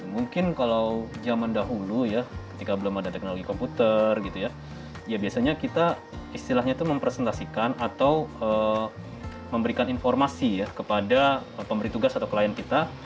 mungkin kalau zaman dahulu ya ketika belum ada teknologi komputer gitu ya biasanya kita istilahnya itu mempresentasikan atau memberikan informasi ya kepada pemberi tugas atau klien kita